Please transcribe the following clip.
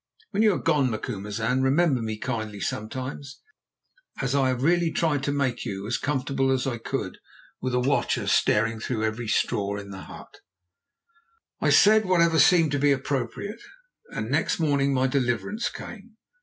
When you are gone, Macumazahn, remember me kindly sometimes, as I have really tried to make you as comfortable as I could with a watcher staring through every straw in the hut." I said whatever seemed to be appropriate, and next morning my deliverance came.